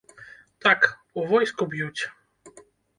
Так, у войску б'юць.